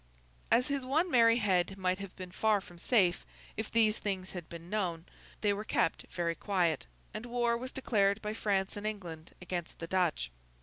As his one merry head might have been far from safe, if these things had been known, they were kept very quiet, and war was declared by France and England against the Dutch.